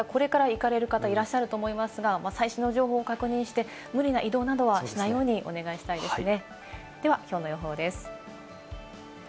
今行かれている方、これから行かれる方、いらっしゃると思いますが、最新の情報を確認して、無理な移動などはしないようにお願いしたいですね。